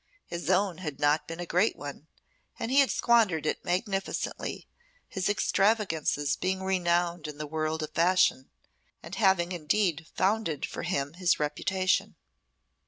His own had not been a great one, and he had squandered it magnificently, his extravagances being renowned in the world of fashion, and having indeed founded for him his reputation.